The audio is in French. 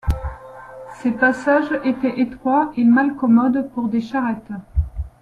Ces passages étaient étroits et malcommodes pour des charrettes.